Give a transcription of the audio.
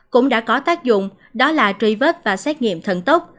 cũng đã có tác dụng đó là truy vết và xét nghiệm thần tốc